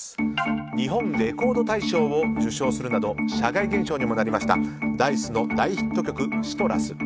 日本レコード大賞を受賞するなど社会現象にもなりましたＤａ‐ｉＣＥの大ヒット曲「ＣＩＴＲＵＳ」。